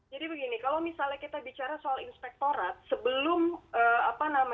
jadi begini kalau misalnya kita bicara soal inspektorat